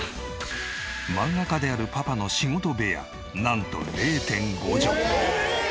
漫画家であるパパの仕事部屋なんと０．５畳。